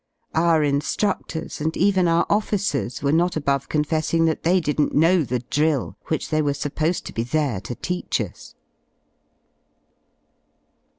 Our in^rudlors, and even our officers, were not above I confessing that they didn't know the drill which they were y supposed to be there to teach us.